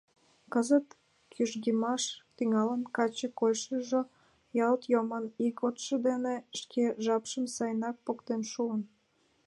Кызыт кӱжгемаш тӱҥалын, каче койышыжо ялт йомын, ийготшо дене шке жапшым сайынак поктен шуын.